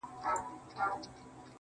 د ستن او تار خبري ډيري شې دي.